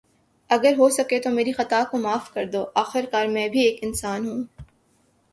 اگر ہوسکے تو میری خطا کو معاف کردو۔ آخر کار میں بھی ایک انسان ہوں۔